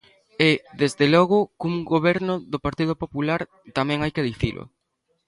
E, desde logo, cun goberno do Partido Popular, tamén hai que dicilo.